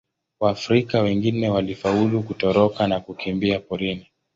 Waafrika wengine walifaulu kutoroka na kukimbia porini.